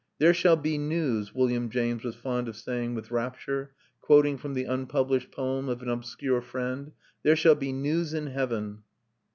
"There shall be news," William James was fond of saying with rapture, quoting from the unpublished poem of an obscure friend, "there shall be news in heaven!"